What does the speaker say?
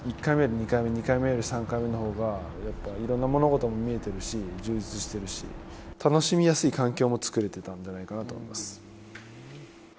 ２回目２回目より３回目の方がやっぱりいろんな物事も見えているし、充実しているし楽しみやすい環境も作れてたんじゃないかなと思います。